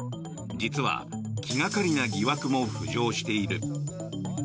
実は、気掛かりな疑惑も浮上している。